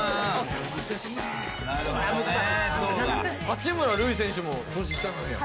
八村塁選手も年下なんや？